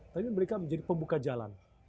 tapi mereka menjadi pembuka jalan